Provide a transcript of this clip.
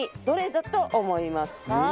どれだと思いますか？